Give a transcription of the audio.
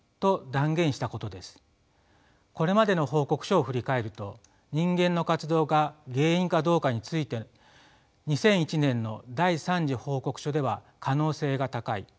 これまでの報告書を振り返ると人間の活動が原因かどうかについて２００１年の第３次報告書では「可能性が高い」。